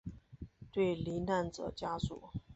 对罹难者家属